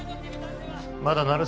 まだ鳴沢